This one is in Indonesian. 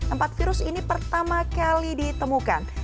empat virus ini pertama kali ditemukan